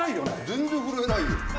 全然震えないよ。